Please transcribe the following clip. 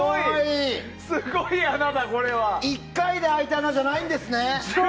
１回で開いた穴じゃそうです。